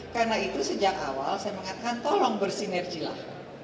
karena itu sejak awal saya mengatakan tolong bersinerjilah